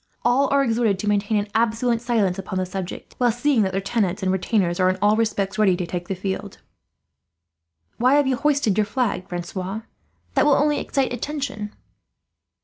All are exhorted to maintain an absolute silence upon the subject, while seeing that their tenants and retainers are, in all respects, ready to take the field." "Why have you hoisted your flag, Francois? That will only excite attention."